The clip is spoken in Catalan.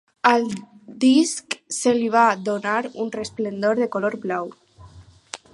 Al disc se li va donar un resplendor de color blau.